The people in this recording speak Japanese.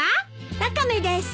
ワカメです。